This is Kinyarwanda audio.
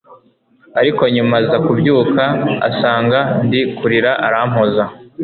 ariko nyuma aza kubyuka asanga ndi kurira arampoza